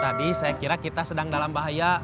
tadi saya kira kita sedang dalam bahaya